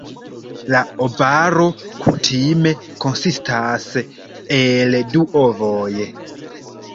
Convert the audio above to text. La ovaro kutime konsistas el du ovoj.